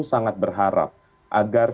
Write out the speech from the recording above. sangat berharap agar